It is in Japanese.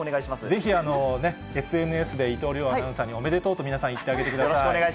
ぜひＳＮＳで伊藤遼アナウンサーにおめでとうと、皆さん言ってあげてください。